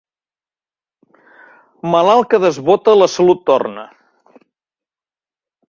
Malalt que desbota la salut torna.